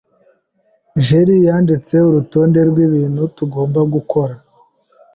jerry yanditse urutonde rwibintu tugomba gukora.